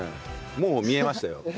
もう見えました。